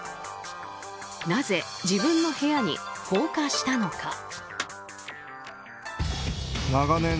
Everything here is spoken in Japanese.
なぜ自分の部屋に放火したのか。